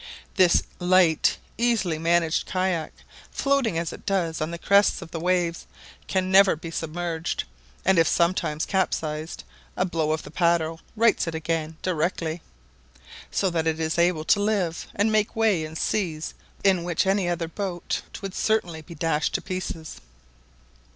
This light, easily managed kayak, floating as it does, on the crests of the waves, can never be submerged; and if it be sometimes capsized, a blow of the paddle rights it again directly; so that it is able to live and make way in seas in which any other boat would certainly be dashed to pieces.